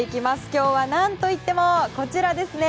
今日は何といってもこちらですね。